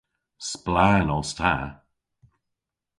Splann os ta.